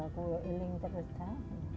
kalau iling terus dah